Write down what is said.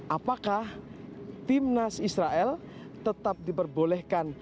apakah timnas israel tetap diperbolehkan